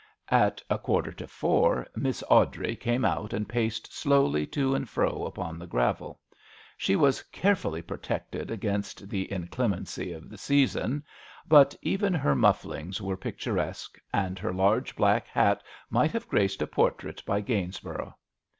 At a quarter to four Miss Awdrey came out and paced slowly to and fro upon the gravel. She was carefully pro tected against the inclemency of the season, but even her muf flings were picturesque, and her large black hat might have graced a portrait by Gains borough.